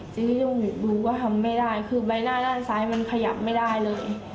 จะยุ่งดูก็ทำไม่ได้คือใบหน้าด้านซ้ายมันขยับไม่ได้เลย